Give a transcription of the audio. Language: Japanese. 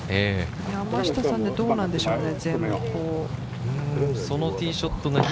山下さん、どうなんでしょうかね？